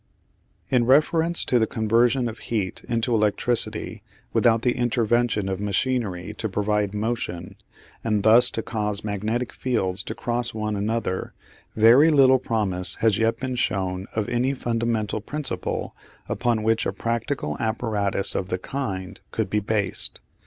In reference to the conversion of heat into electricity without the intervention of machinery to provide motion, and thus to cause magnetic fields to cross one another, very little promise has yet been shown of any fundamental principle upon which a practical apparatus of the kind could be based.